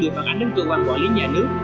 phản ánh đến cơ quan quản lý nhà nước